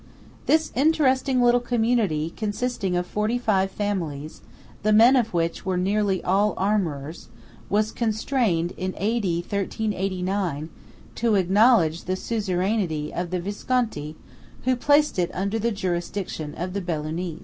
This interesting little community, consisting of forty five families, the men of which were nearly all armourers, was constrained in A.D. 1389 to acknowledge the suzerainty of the Visconti, who placed it under the jurisdiction of the Bellunese.